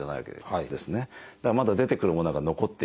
だからまだ出てくるものが残っている。